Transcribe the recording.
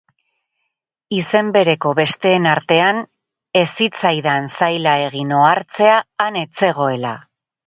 Izen bereko besteen artean ez zitzaidan zaila egin ohartzea han ez zegoela.